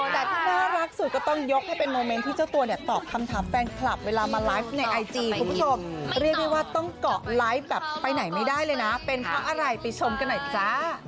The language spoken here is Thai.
แต่ที่น่ารักสุดก็ต้องยกให้เป็นโมเมนต์ที่เจ้าตัวเนี่ยตอบคำถามแฟนคลับเวลามาไลฟ์ในไอจีคุณผู้ชมเรียกได้ว่าต้องเกาะไลฟ์แบบไปไหนไม่ได้เลยนะเป็นเพราะอะไรไปชมกันหน่อยจ้า